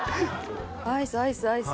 アイスアイスアイス。